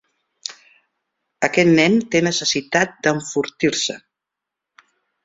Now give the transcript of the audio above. Aquest nen té necessitat d'enfortir-se.